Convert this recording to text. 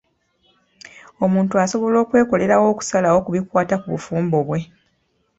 Omuntu asobola okwekolera okusalawo ku bikwata ku bufumbo bwe.